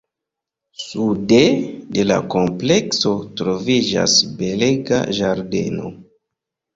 Sude de la komplekso troviĝas belega ĝardeno.